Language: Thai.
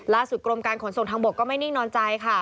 กรมการขนส่งทางบกก็ไม่นิ่งนอนใจค่ะ